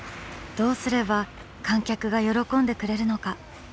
「どうすれば観客が喜んでくれるのか？」。